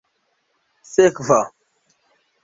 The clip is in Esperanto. sekva